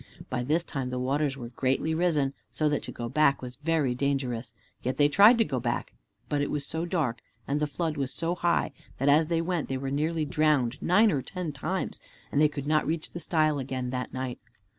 By this time the waters were greatly risen, so that to go back was very dangerous. Yet they tried to go back, but it was so dark, and the flood was so high, that as they went they were nearly drowned nine or ten times, and they could not reach the stile again that night.